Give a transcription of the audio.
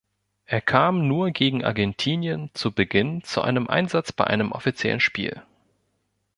Er kam nur gegen Argentinien zu Beginn zu einem Einsatz bei einem offiziellen Spiel.